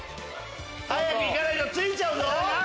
早く行かないと着いちゃうぞ！